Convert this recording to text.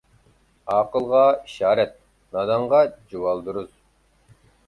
ئاقىلغا ئىشارەت، نادانغا جۇۋالدۇرۇز.